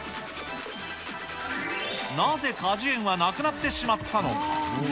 なぜ果樹園はなくなってしまったのか。